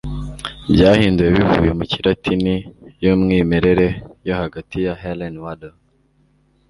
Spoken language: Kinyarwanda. byahinduwe bivuye mu kilatini y'umwimerere yo hagati ya Helen Waddell